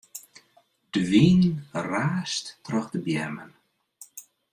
De wyn raast troch de beammen.